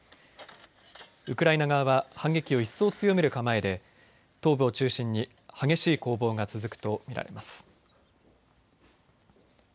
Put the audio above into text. ウクライナ側は反撃を一層強める構えで東部を中心に、激しい攻防が続くとみられます。